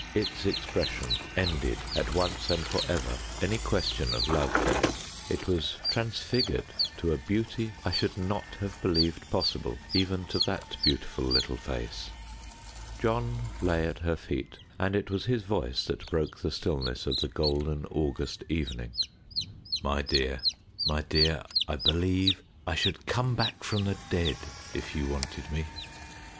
Its expression ended, at once and for ever, any question of love for him; it was transfigured to a beauty I should not have believed possible, even to that beautiful little face. John lay at her feet, and it was his voice that broke the stillness of the golden August evening. "My dear, my dear, I believe I should come back from the dead if you wanted me!"